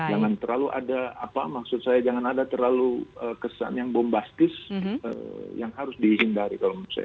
jangan terlalu ada apa maksud saya jangan ada terlalu kesan yang bombastis yang harus dihindari kalau menurut saya